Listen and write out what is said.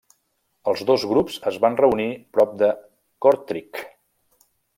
Els dos grups es van reunir prop de Kortrijk.